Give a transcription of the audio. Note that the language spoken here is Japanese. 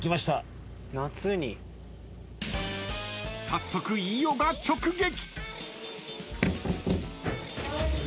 ［早速飯尾が直撃！］